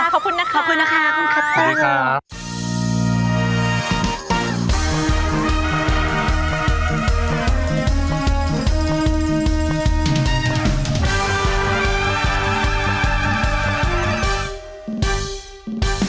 ขอบคุณครับ